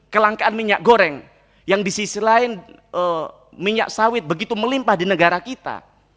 kelangkaan minyak goreng yang di sisi lain minyak sawit begitu melimpah di negara kita